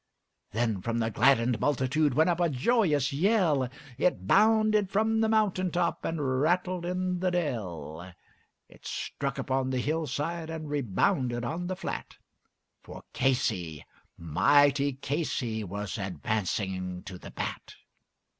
Then from the gladdened multitude went up a joyous yell, It bounded from the mountain top and rattled in the dell, It struck upon the hillside, and rebounded on the flat, For Casey, mighty Casey, was advancing to the bat.